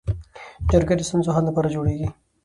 جرګه د ستونزو حل لپاره جوړیږي